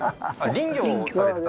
林業をされてた？